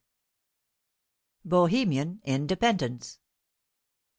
BOHEMIAN INDEPENDENCE.